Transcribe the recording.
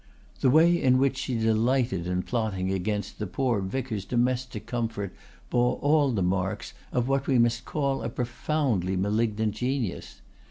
The way in which she delighted in plotting against the poor vicar's domestic comfort bore all the marks of what we must call a profoundly malignant genius.